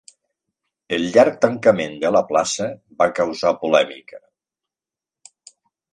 El llarg tancament de la plaça va causar polèmica.